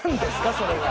それは。